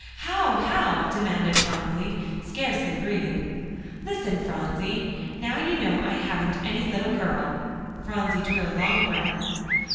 "How how?" demanded Phronsie, scarcely breathing. "Listen, Phronsie. Now you know I haven't any little girl." Phronsie drew a long breath.